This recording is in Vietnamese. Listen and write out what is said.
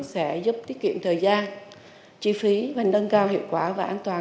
sẽ giúp tiết kiệm thời gian chi phí và nâng cao hiệu quả và an toàn